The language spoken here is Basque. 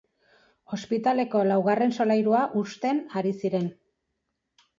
Ospitaleko laugarren solairua husten ari ziren.